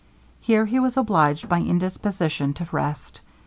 Here he was obliged by indisposition to rest.